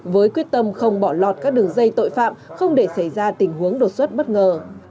với quyết tâm không bỏ lọt các đường dây tội phạm không để xảy ra tình huống đột xuất bất ngờ